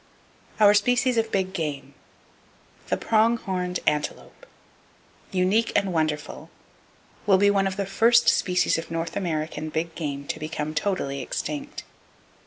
OUR SPECIES OF BIG GAME The Prong Horned Antelope , unique and wonderful, will be one of the first species of North American big game to become totally extinct.